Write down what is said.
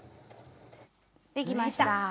できました。